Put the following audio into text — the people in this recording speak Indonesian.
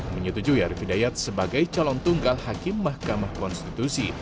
menyetujui arief hidayat sebagai calon tunggal hakim mahkamah konstitusi